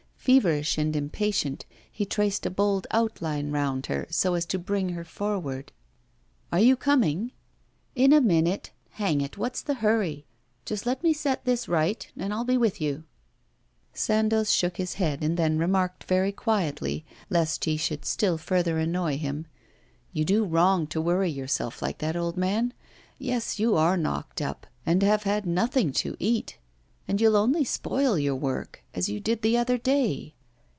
Feverish and impatient, he traced a bold outline round her so as to bring her forward. 'Are you coming?' 'In a minute; hang it, what's the hurry? Just let me set this right, and I'll be with you.' Sandoz shook his head and then remarked very quietly, lest he should still further annoy him: 'You do wrong to worry yourself like that, old man. Yes, you are knocked up, and have had nothing to eat, and you'll only spoil your work, as you did the other day.